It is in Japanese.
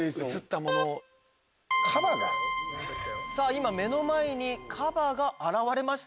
今目の前にカバが現れました。